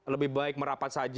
lebih baik merapat saja